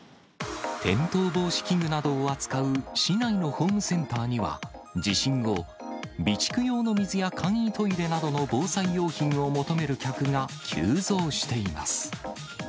転倒防止器具などを扱う市内のホームセンターには、地震後、備蓄用の水や簡易トイレなどの防災用品を求める客が急増しています。